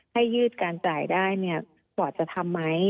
ให้ยืดการจ่ายได้เนี่ยบอร์ดจะทำไหม